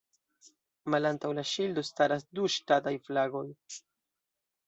Malantaŭ la ŝildo staras du ŝtataj flagoj.